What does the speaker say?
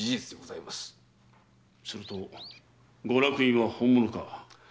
するとご落胤は本物か。